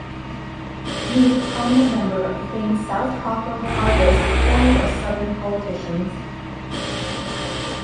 He was a prominent member of the famed South-Cockrell-Hargis family of Southern politicians.